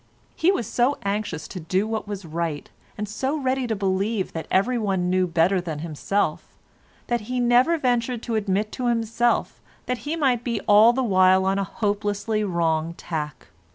He was so anxious to do what was right, and so ready to believe that every one knew better than himself, that he never ventured to admit to himself that he might be all the while on a hopelessly wrong tack.